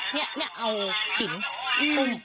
เนี่ยเอาหินหุ้ม